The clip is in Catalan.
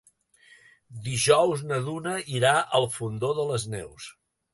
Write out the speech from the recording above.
Dijous na Duna irà al Fondó de les Neus.